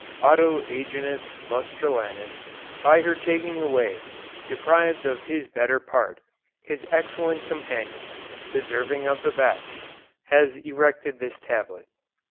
Otto Agenius Lustrulanus, by her taking away Deprived of his better part, his excellent companion, Deserving of the best, Has erected this tablet."